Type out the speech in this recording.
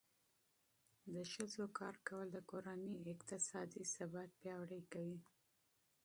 د ښځو کار کول د کورنۍ اقتصادي ثبات پیاوړی کوي.